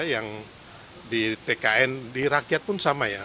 yang di tkn di rakyat pun sama ya